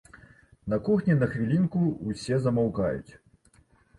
На кухні на хвілінку ўсе замаўкаюць.